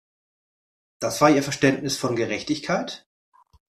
Das war ihr Verständnis von Gerechtigkeit.